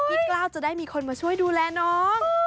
กล้าวจะได้มีคนมาช่วยดูแลน้อง